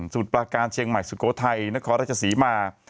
สูตรประการเชียงใหม่สุโกธัยนครราชสีมาร์